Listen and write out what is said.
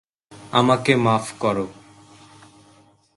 আমাকে মাফ করো।